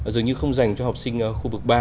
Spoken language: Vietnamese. dường như không dành cho học sinh khu vực ba